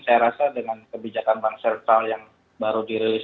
saya rasa dengan kebijakan bank sentral yang baru dirilis